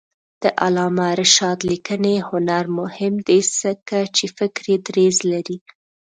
د علامه رشاد لیکنی هنر مهم دی ځکه چې فکري دریځ لري.